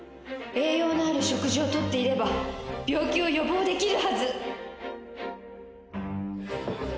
栄養のある食事をとっていれば、病気を予防できるはず。